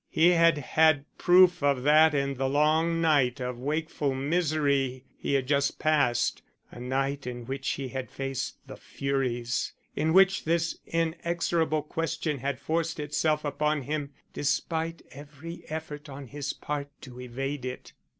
He had had proof of that in the long night of wakeful misery he had just passed; a night in which he had faced the furies; in which this inexorable question had forced itself upon him despite every effort on his part to evade it.